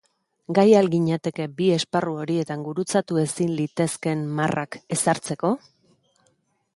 Gai al ginateke bi esparru horietan gurutzatu ezin litezken marrak ezartzeko?